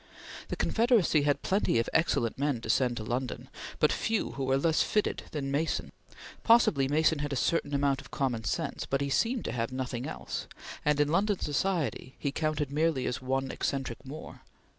The Confederacy had plenty of excellent men to send to London, but few who were less fitted than Mason. Possibly Mason had a certain amount of common sense, but he seemed to have nothing else, and in London society he counted merely as one eccentric more.